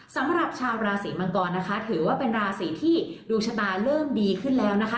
สำหรับชาวราศีมังกรนะคะถือว่าเป็นราศีที่ดวงชะตาเริ่มดีขึ้นแล้วนะคะ